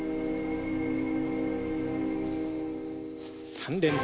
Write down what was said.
３連続。